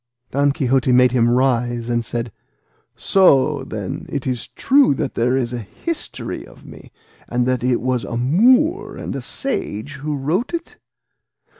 Don Quixote made him rise, and said, "So, then, it is true that there is a history of me, and that it was a Moor and a sage who wrote it?"